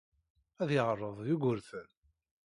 Ad yeɛreḍ Yugurten.